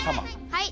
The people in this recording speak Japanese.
はい。